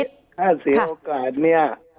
ถ้าเสียโอกาสเนี่ย